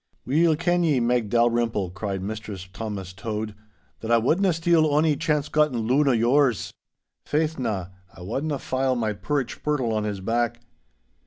'Weel ken ye, Meg Dalrymple,' cried Mistress Thomas Tode, 'that I wadna steal ony chance gotten loon of yours. Faith na, I wadna fyle my parritch spurtle on his back.